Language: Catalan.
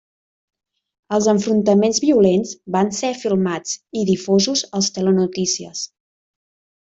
Els enfrontaments violents van ser filmats i difosos als telenotícies.